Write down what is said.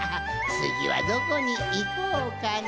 つぎはどこにいこうかの。